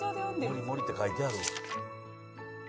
「もりもりって書いてある」